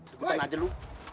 tunggu aja lu